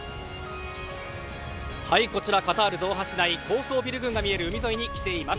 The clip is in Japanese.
こちらカタール・ドーハ市内高層ビル群が見える海沿いに来ています。